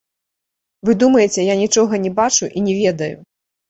Вы думаеце, я нічога не бачу і не ведаю.